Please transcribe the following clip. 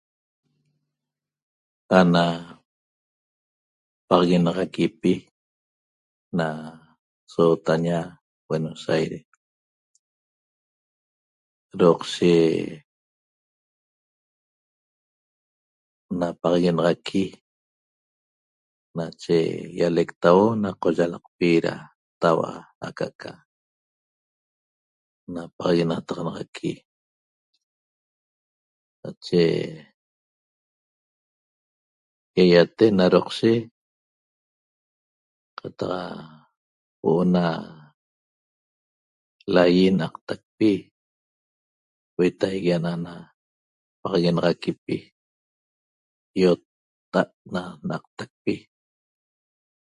Ana paxaguenaxaquipi na sootaña Buenos Aires roqshe napaxaguenaxaqui nache ialectauo na qoyalaqpi ra taua' aca'aca napaxaguenataxanaxaqui nache iaiaten na roqshe qataq huo'o na lai na'aqtacpi huetaigui na'ana paguenaxaquipi iotta'at na na'aqtacpi